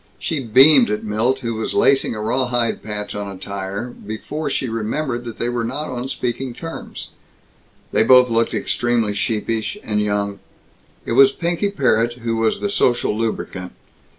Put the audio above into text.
She beamed at Milt, who was lacing a rawhide patch on a tire, before she remembered that they were not on speaking terms. They both looked extremely sheepish and young. It was Pinky Parrott who was the social lubricant.